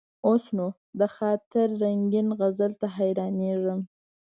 اوس نو: د خاطر رنګین غزل ته حیرانېږم.